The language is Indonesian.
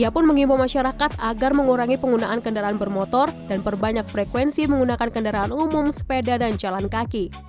ia pun mengimbau masyarakat agar mengurangi penggunaan kendaraan bermotor dan perbanyak frekuensi menggunakan kendaraan umum sepeda dan jalan kaki